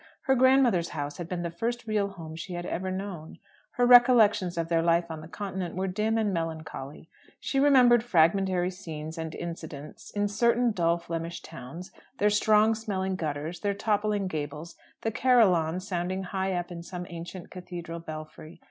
Her grand mother's house had been the first real home she had ever known. Her recollections of their life on the Continent were dim and melancholy. She remembered fragmentary scenes and incidents in certain dull Flemish towns; their strong smelling gutters, their toppling gables, the carillons sounding high up in some ancient cathedral belfry.